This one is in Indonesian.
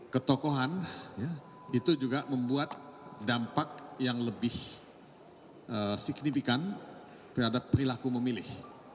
ketokohan itu juga membuat dampak yang lebih signifikan terhadap perilaku memilih